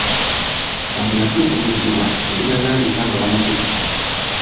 Ono yatulugunyizibwa ebitagambika nga bamukute.